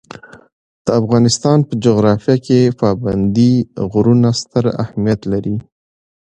د افغانستان په جغرافیه کې پابندي غرونه ستر اهمیت لري.